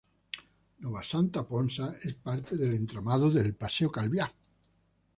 Nova Santa Ponsa es parte del entramado del Paseo Calviá.